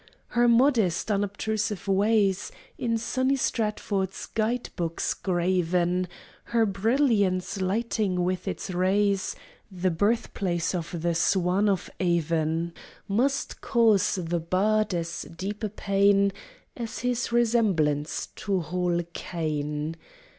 Her modest, unobtrusive ways, In sunny Stratford's guide books graven, Her brilliance, lighting with its rays The birthplace of the Swan of Avon, Must cause the Bard as deep a pain As his resemblance to Hall Caine.